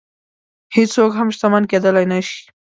هېڅوک هم شتمن کېدلی نه شي.